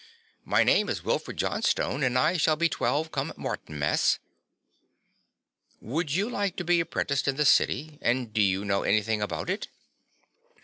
"My name is Wilfred Johnstone and I shall be twelve come Martinmas." "Would you like to be apprenticed in the city and do you know anything about it?"